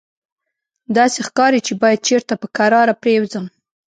داسې ښکاري چې باید چېرته په کراره پرېوځم.